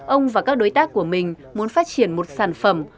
ông và các đối tác của mình muốn phát triển một sản phẩm